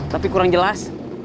tapi kurang jelas